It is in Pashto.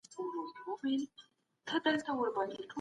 د حقونو ساتنه یوه دوامداره پروسه ده.